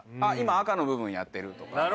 「あっ今赤の部分やってる」とか。